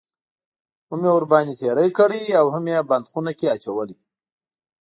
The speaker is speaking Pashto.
هم یې ورباندې تېری کړی اوهم یې بند خونه کې اچولی.